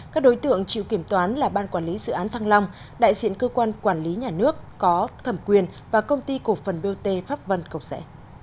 các đối tượng chịu kiểm toán là ban quản lý dự án thăng long đại diện cơ quan quản lý nhà nước có thẩm quyền và công ty cổ phần bot pháp vân cộng sẻ